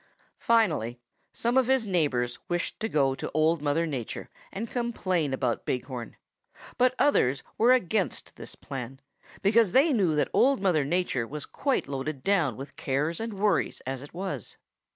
"Finally some of his neighbors wished to go to Old Mother Nature and complain about Big Horn, but others were against this plan because they knew that Old Mother Nature was quite loaded down with cares and worries as it was.